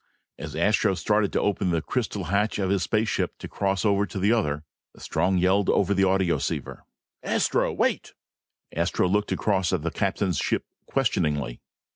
As Astro started to open the crystal hatch of his ship to cross over to the other, Strong yelled over the audioceiver. "Astro, wait!" Astro looked across at the captain's ship questioningly.